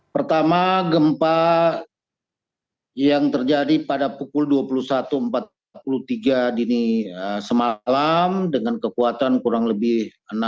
pertama gempa yang terjadi pada pukul dua puluh satu empat puluh tiga dini semalam dengan kekuatan kurang lebih enam